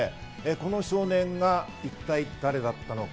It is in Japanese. この少年が一体誰だったのか？